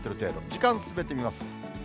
時間進めてみます。